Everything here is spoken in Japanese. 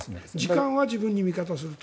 時間は自分に味方すると。